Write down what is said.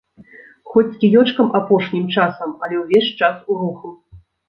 Хоць з кіёчкам апошнім часам, але ўвесь час у руху.